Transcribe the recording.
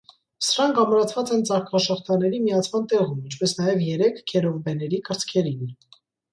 Սրանք ամրացված են ծաղկաշղթաների միացման տեղում, ինչպես նաև երեք քերովբեների կրծքերին։